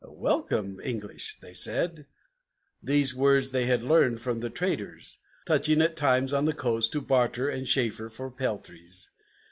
"Welcome, English!" they said, these words they had learned from the traders Touching at times on the coast, to barter and chaffer for peltries.